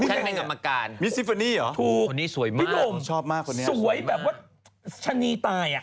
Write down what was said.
ฉันเป็นกรรมการมิซิฟอินี่เหรอคนนี้สวยมากชอบมากคนนี้สวยแบบว่าชะนีตาย